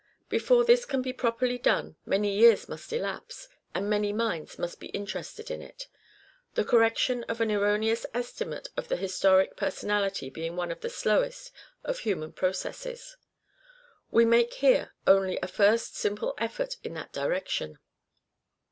Before this can be properly done many years must elapse, and many minds must be interested in it : the correction of an erroneous estimate of an historic personality being one of the slowest of human processes. We make here only a first simple effort in that direction.